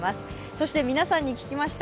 そして皆さんに聞きました。